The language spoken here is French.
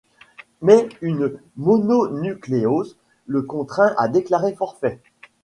Mais une mononucléose le contraint à déclarer forfait.